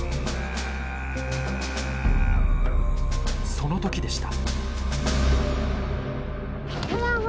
その時でした。